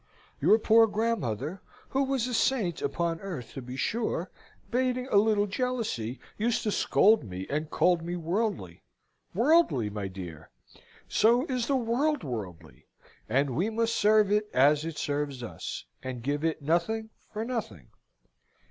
Your poor grandmother, who was a saint upon earth to be sure, bating a little jealousy, used to scold me, and called me worldly. Worldly, my dear! So is the world worldly; and we must serve it as it serves us; and give it nothing for nothing.